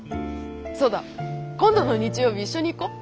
そうだ今度の日曜日一緒に行こう。